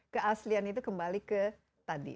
keaslian itu kembali ke tadi